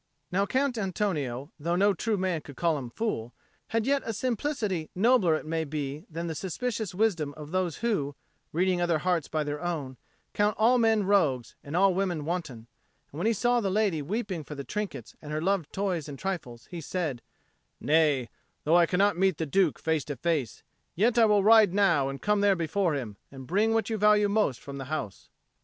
Now Count Antonio, though no true man could call him fool, had yet a simplicity nobler it may be than the suspicious wisdom of those who, reading other hearts by their own, count all men rogues and all women wanton: and when he saw the lady weeping for the trinkets and her loved toys and trifles, he said, "Nay, though I cannot meet the Duke face to face, yet I will ride now and come there before him, and bring what you value most from the house."